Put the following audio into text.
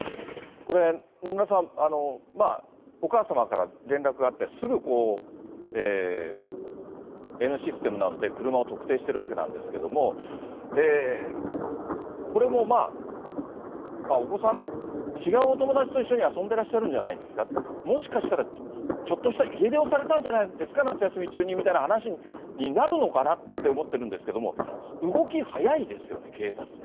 これ、野村さん、お母様から連絡があって、すぐＮシステムなどで車を特定しているわけなんですけども、これもまあ、お子さん、違うお友達と一緒に遊んでらっしゃるんじゃないですか、もしかしたらちょっとした家出をされたんじゃないですか、夏休み中にっていうような話になるのかなって思ってるんですけども、動き、早いですよね、警察の。